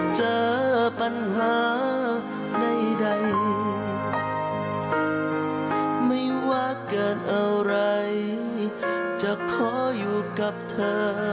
จะขออยู่กับเธอ